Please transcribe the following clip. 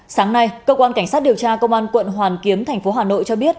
sáng nay cơ quan cảnh sát điều tra công an quận hoàn kiếm tp hà nội cho biết